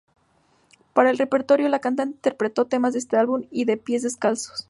Para el repertorio la cantante interpretó temas de este álbum y de "Pies descalzos".